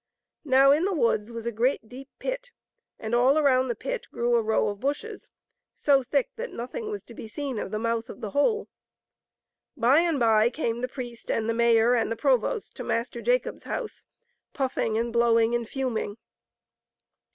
Now in the woods was a great deep pit, and all around the pit grew a row of bushes, so thick that nothing was to be seen of the mouth of the hole. By and by came the priest and the mayor and the provost to Master Jacob's house, puffing and blowing and fuming.